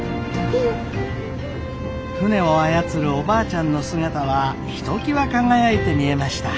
船を操るおばあちゃんの姿はひときわ輝いて見えました。